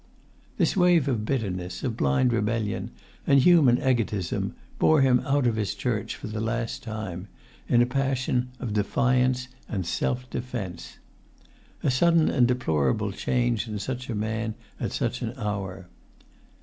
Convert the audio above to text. This wave of bitterness, of blind rebellion and human egotism, bore him out of his church, for the last time, in a passion of defiance and self defence: a sudden and deplorable change in such a man at such an hour.